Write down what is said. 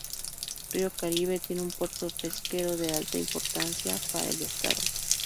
Río Caribe tiene un puerto pesquero de alta importancia para el estado.